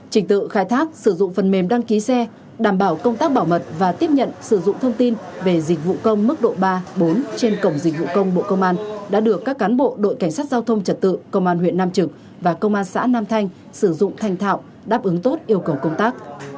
trình tự khai thác sử dụng phần mềm đăng ký xe đảm bảo công tác bảo mật và tiếp nhận sử dụng thông tin về dịch vụ công mức độ ba bốn trên cổng dịch vụ công bộ công an đã được các cán bộ đội cảnh sát giao thông trật tự công an huyện nam trực và công an xã nam thanh sử dụng thành thạo đáp ứng tốt yêu cầu công tác